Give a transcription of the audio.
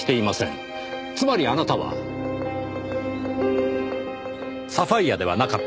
つまりあなたはサファイアではなかった。